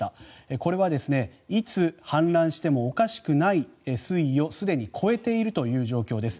これはいつ氾濫してもおかしくない水位をすでに超えているという状況です。